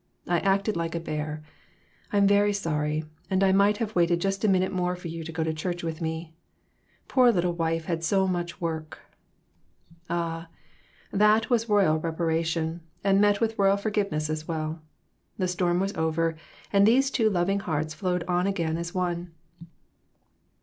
I acted like a bear. I'm very sorry, and I might have waited just a minute more for you to go to church with me. Poor little wife had so much work." Ah, that was royal reparation, and met with royal forgiveness as well. The storm was over, and these two loving hearts flowed on again as one.